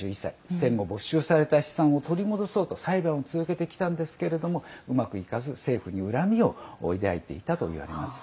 戦後没収された資産を取り戻そうと裁判を続けてきたんですけれどもうまくいかず政府に恨みを抱いていたといわれます。